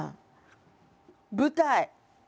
舞台！